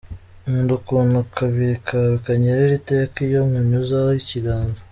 Nkunda ukuntu akabiri kawe kanyerera iteka iyo nkunyuzaho ikiganza.